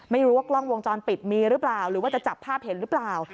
ไม่รู้ว่ากล้องวงจรปิดมีหรือเปล่าหรือว่าจะจับภาพเห็นหรือเปล่า